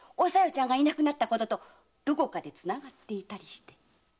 ちゃんがいなくなったこととどこかで繋がっていたりして。